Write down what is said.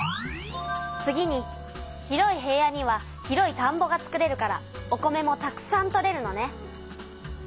次に広い平野には広いたんぼが作れるからお米もたくさん取れるのね。